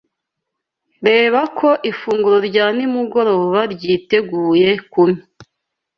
Reba ko ifunguro rya nimugoroba ryiteguye kumi.